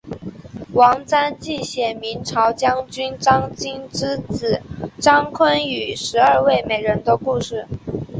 玉蟾记写明朝将军张经之子张昆与十二位美人的故事。